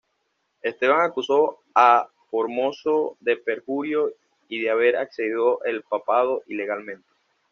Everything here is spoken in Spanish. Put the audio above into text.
Esteban acusó a Formoso de perjurio y de haber accedido al papado ilegalmente.